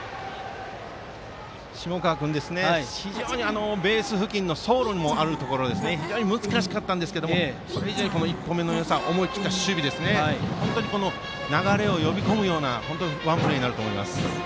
下川君、ベース付近の走路のあるところで非常に難しかったんですがそれ以上に一歩目のよさ思い切った守備流れを呼びこむようなワンプレーになると思いますよ。